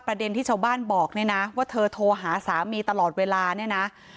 ประเด็นที่ชาวบ้านบอกเนี่ยนะว่าเธอโทรหาสามีตลอดเวลาเนี่ยนะ